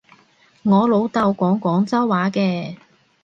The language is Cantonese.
我老豆講廣州話嘅